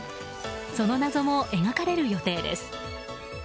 その謎も描かれる予定です。